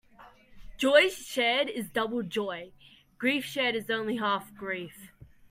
Joy shared is double joy; grief shared is only half grief.